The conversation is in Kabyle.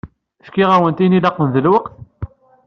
Fkiɣ-awen ayen ilaqen d lweqt?